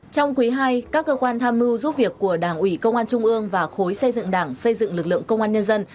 trong quý ii các cơ quan tham mưu giúp việc của đảng ủy công an trung ương và khối xây dựng đảng xây dựng lực lượng công an nhân dân